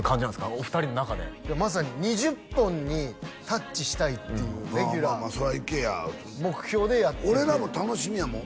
お二人の中でまさに２０本にタッチしたいっていうレギュラーそりゃいけや目標でやってて俺らも楽しみやもん